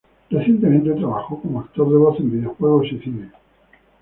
Recientemente trabajó como actor de voz en videojuegos y cine.